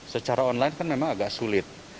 secara online kan memang agak sulit